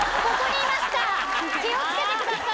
気を付けてください。